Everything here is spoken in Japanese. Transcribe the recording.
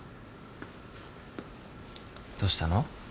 どうしたの？